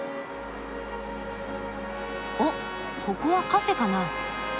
おっここはカフェかな。